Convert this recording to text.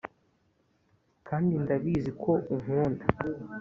kandi ndabizi ko unkunda